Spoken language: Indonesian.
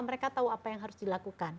mereka tahu apa yang harus dilakukan